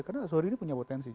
karena zohri ini punya potensi